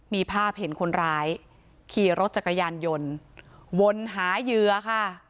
มีภาพเห็นคนร้ายขี่รถจักรยานยนต์วนหาเหยื่อค่ะ